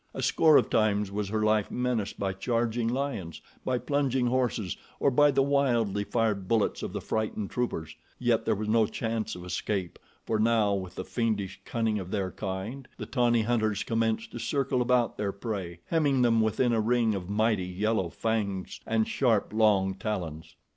A score of times was her life menaced by charging lions, by plunging horses, or by the wildly fired bullets of the frightened troopers, yet there was no chance of escape, for now with the fiendish cunning of their kind, the tawny hunters commenced to circle about their prey, hemming them within a ring of mighty, yellow fangs, and sharp, long talons.